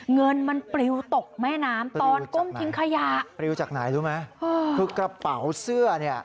เงินมันปลิวตกแม่น้ำตอนก้มทิ้งขยะปลิวจากไหนรู้ไหมคือกระเป๋าเสื้อเนี่ย